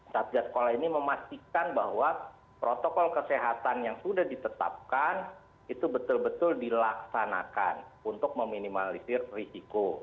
satgas sekolah ini memastikan bahwa protokol kesehatan yang sudah ditetapkan itu betul betul dilaksanakan untuk meminimalisir risiko